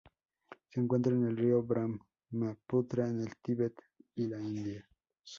Se encuentra en el río Brahmaputra en el Tíbet y la India.